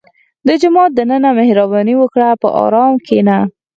• د جومات دننه مهرباني وکړه، په ارام کښېنه.